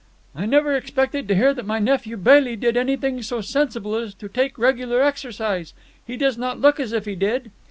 "I never expected to hear that my nephew Bailey did anything so sensible as to take regular exercise. He does not look as if he did."